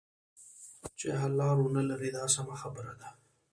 چې حل لاره ونه لري دا سمه خبره ده.